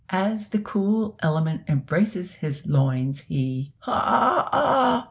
As the cool element embraces his loins, he "h ah ah!"